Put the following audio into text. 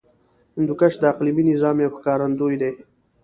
هندوکش د اقلیمي نظام یو ښکارندوی دی.